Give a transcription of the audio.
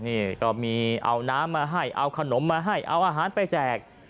นี่ก็มีเอาน้ำมาให้เอาขนมมาให้เอาอาหารไปแจก